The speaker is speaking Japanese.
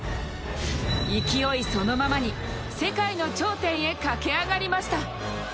勢いそのままに世界の頂点へ駆け上がりました。